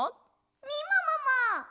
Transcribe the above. みももも！